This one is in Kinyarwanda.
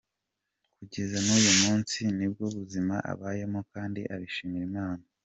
Kugeza n’uyu munsi ni bwo buzima abayemo kandi abishimira Imana.